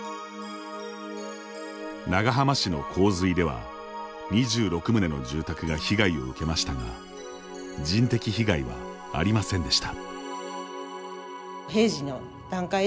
長浜市の洪水では２６棟の住宅が被害を受けましたが人的被害はありませんでした。